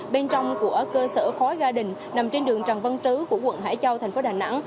bên trong của cơ sở khói ga đình nằm trên đường trần văn trứ của quận hải châu thành phố đà nẵng